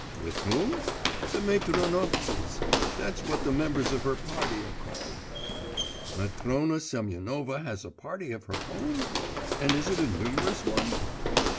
'With whom?' 'The Matronovtsys; that's what the members of her party are called.' 'Matrona Semyonovna has a party of her own? And is it a numerous one?